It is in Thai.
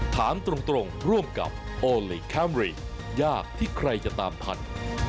ถามตรงร่วมกับโอลี่คัมรี่ยากที่ใครจะตามทัน